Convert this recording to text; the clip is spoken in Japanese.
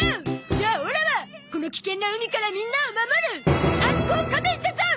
じゃあオラはこの危険な海からみんなを守るアンコウ仮面だゾ！